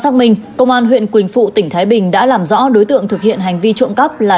xác minh công an huyện quỳnh phụ tỉnh thái bình đã làm rõ đối tượng thực hiện hành vi trộm cắp là